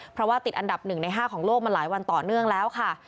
เพราะว่าติดอันดับ๑ใน๕ของโลกมาหลายวันต่อเนื่องแล้วค่ะ